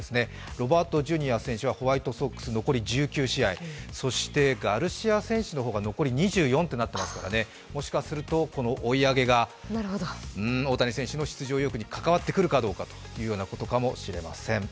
ロバートＪｒ．選手はホワイトソックスで残り１９試合そしてガルシア選手の方は残り２４となっていますから、もしかすると追い上げが、大谷選手の出場意欲に関わってくるかということかもしれません。